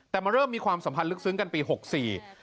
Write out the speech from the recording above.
แต่มันเริ่มมีความสัมพันธ์ลึกซึ้งกันปีหกสี่